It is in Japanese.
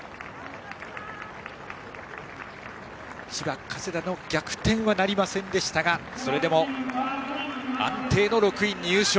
千葉、加世田の逆転はなりませんでしたがそれでも安定の６位入賞。